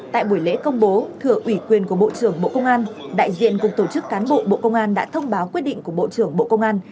tại buổi lễ công bố thừa ủy quyền của bộ trưởng bộ công an đại diện cục tổ chức cán bộ bộ công an đã thông báo quyết định của bộ trưởng bộ công an